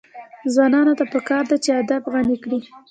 ځوانانو ته پکار ده چې، ادب غني کړي.